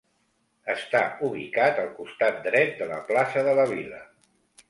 Està ubicat al costat dret de la plaça de la vila.